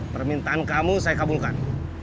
permintaan kamu saya kabulkan